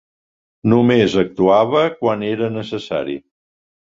Només actuava quan era necessari.